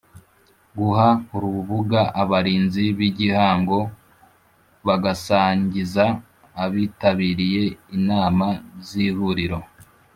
Guha urubuga abarinzi b igihango bagasangiza abitabiriye inama z ihuriro